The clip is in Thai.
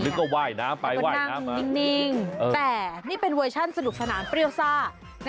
ว่ายน้ำไปว่ายน้ำมานิ่งแต่นี่เป็นเวอร์ชั่นสนุกสนานเปรี้ยวซ่า